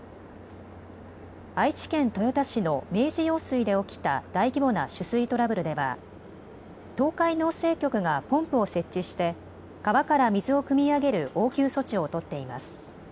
愛知県豊田市の明治用水で起きた大規模な取水トラブルでは東海農政局がポンプを設置して川から水をくみ上げる応急措置を取っています。